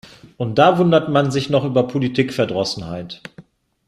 Und da wundert man sich noch über Politikverdrossenheit.